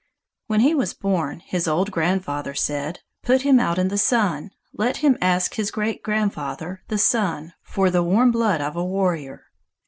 When he was born, his old grandfather said: "Put him out in the sun! Let him ask his great grandfather, the Sun, for the warm blood of a warrior!"